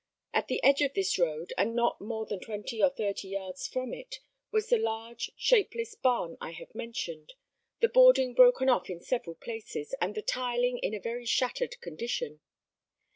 At the edge of this road, and not more than twenty or thirty yards from it, was the large, shapeless barn I have mentioned, the boarding broken off in several places, and the tiling in a very shattered condition.